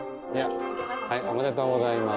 おめでとうございます。